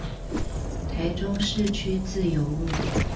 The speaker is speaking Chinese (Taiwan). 台中市區自由路